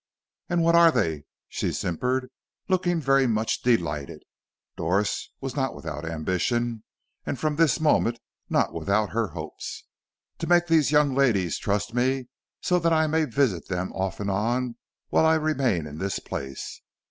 "And what are they?" she simpered, looking very much delighted. Doris was not without ambition, and from this moment not without her hopes. "To make these young ladies trust me so that I may visit them off and on while I remain in this place.